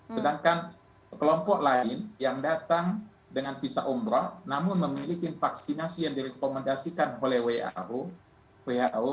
sedangkan kelompok lain yang datang dengan visa umroh namun memiliki vaksinasi yang direkomendasikan oleh who